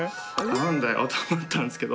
なんだよと思ったんですけど。